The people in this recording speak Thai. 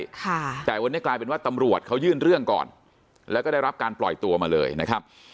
ค่ะแต่วันนี้กลายเป็นว่าตำรวจเขายื่นเรื่องก่อนแล้วก็ได้รับการปล่อยตัวมาเลยนะครับ